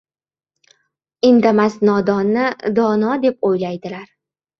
• Indamas nodonni dono deb o‘ylaydilar.